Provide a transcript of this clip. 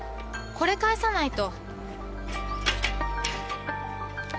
これ返さないと。